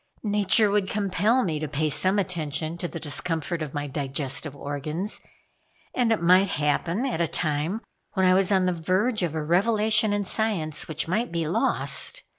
Nature would compel me to pay some attention to the discomfort of my digestive organs, and it might happen at a time when I was on the verge of a revelation in science, which might be lost.